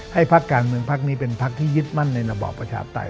ให้ภักดิ์การเมืองภักดิ์นี้เป็นภักดิ์ที่ยึดมั่นในระบอบประชาติ